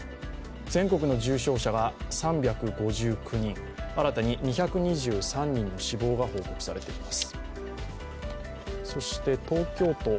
全国の重症者が３５９人、新たに２２３人の死亡が報告されています。